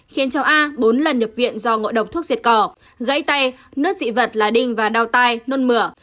khiến cháu a bốn lần nhập viện do ngộ độc thuốc diệt cỏ gãy tay nốt dị vật là đinh và đau tay nôn mửa